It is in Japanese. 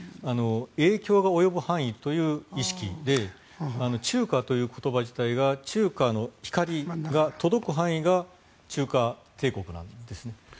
影響が及ぶ範囲という意識で中華という言葉自体が中華の光が届く範囲が中華帝国なんですね。